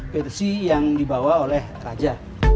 versi yang dibawa oleh raja